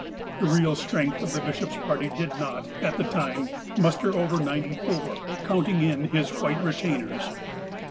The real strength of the bishop's party did not, at the time, muster over ninety four, counting in his white re tainers.